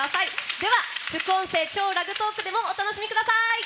では、副音声「超ラグトーク！」でもお楽しみください！